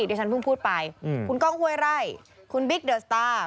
เดี๋ยวฉันเพิ่งพูดไปอืมคุณกล้องเฮ้ยไรคุณบิ๊กเดอร์สตาร์